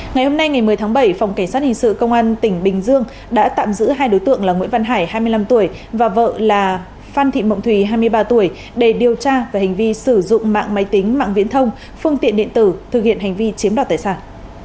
ngày hôm nay ngày một mươi tháng bảy phòng cảnh sát hình sự công an tỉnh bình dương đã tạm giữ hai đối tượng là nguyễn văn hải hai mươi năm tuổi và vợ là phan thị mộng thùy hai mươi ba tuổi để điều tra về hành vi sử dụng mạng máy tính mạng viễn thông phương tiện điện tử thực hiện hành vi chiếm đoạt tài sản